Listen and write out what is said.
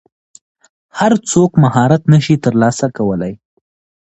هر څوک مهارت نشي ترلاسه کولی.